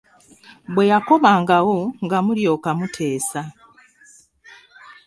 Bwe yakomangawo nga mulyoka muteesa.